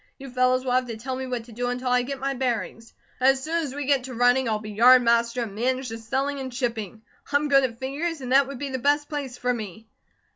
You fellows will have to tell me what to do until I get my bearings. As soon as we get to running, I'll be yard master, and manage the selling and shipping. I'm good at figures, and that would be the best place for me."